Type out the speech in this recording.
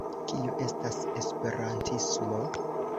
Kio estas esperantismo?